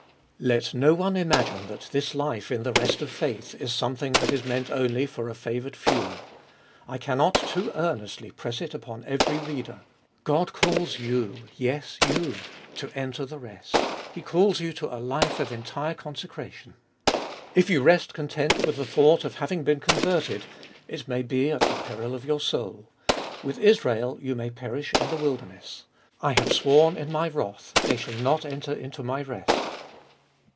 7. Let no one imagine that this life in the rest of faith is something that is meant only for a favoured few. I cannot too earnestly press it upon every reader: God calls you— yes you, to enter the rest. He calls you fo a life of entire consecration. If you rest content with the thought of having been converted, it may be at the peril of your soul : with Israel you may perish in the wilderness. "I have sworn in my wrath: they shall not enter into my rest."